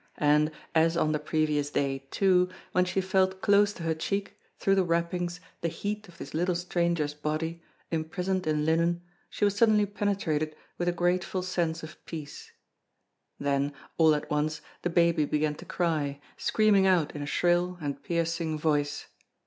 And, as on the previous day, too, when she felt close to her cheek, through the wrappings, the heat of this little stranger's body, imprisoned in linen, she was suddenly penetrated with a grateful sense of peace. Then, all at once, the baby began to cry, screaming out in a shrill and piercing voice.